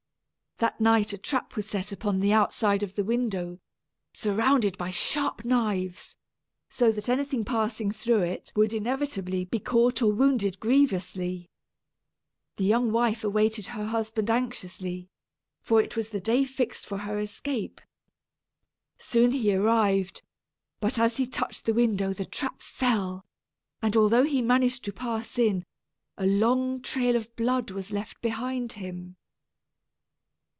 That night a trap was set upon the outside of the window, surrounded by sharp knives, so that anything passing through it would inevitably be caught or wounded grievously. The young wife awaited her husband anxiously, for it was the day fixed for her escape. Soon he arrived; but as he touched the window the trap fell, and although he managed to pass in, a long trail of blood was left behind him.